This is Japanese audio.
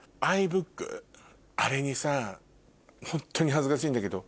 あれにさホントに恥ずかしいんだけど。